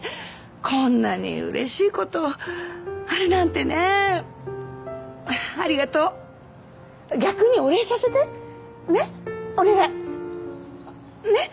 こんなにうれしいことあるなんてねありがとう逆にお礼させてねっお願いねっ